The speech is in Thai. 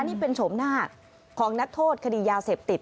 นี่เป็นโฉมหน้าของนักโทษคดียาเสพติด